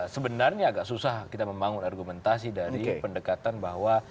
sebenarnya agak susah kita membangun argumentasi dari pendekatan bahwa